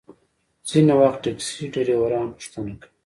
ځینې وخت ټکسي ډریوران پوښتنه کوي.